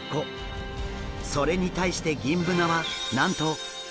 それに対してギンブナはなんと１２８個！